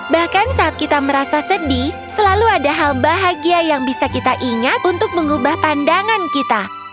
bahkan saat kita merasa sedih selalu ada hal bahagia yang bisa kita ingat untuk mengubah pandangan kita